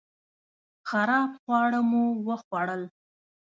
خراب خواړه مو وخوړل